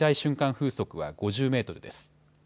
風速は５０メートルです。